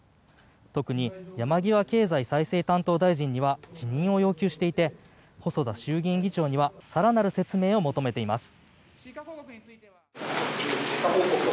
特に山際経済再生担当大臣には辞任を要求していて細田衆議院議長には更なる説明を求めています。